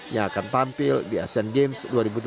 yang akan tampil di asean games dua ribu delapan belas